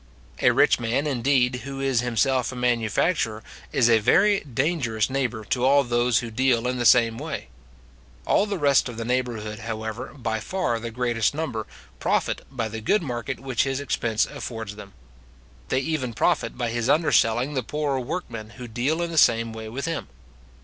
A rich man, indeed, who is himself a manufacturer, is a very dangerous neighbour to all those who deal in the same way. All the rest of the neighbourhood, however, by far the greatest number, profit by the good market which his expense affords them. They even profit by his underselling the poorer workmen who deal in the same way with him.